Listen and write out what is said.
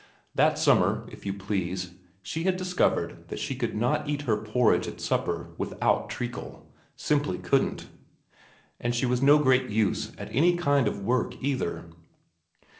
That summer, if you please, she had discovered that she could not eat her porridge at supper without treacle simply couldn't. And she was no great use at any kind of work either.